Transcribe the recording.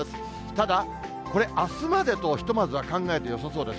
ただ、これあすまでとひとまず考えてよさそうです。